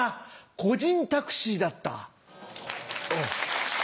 コジンタクシーだった。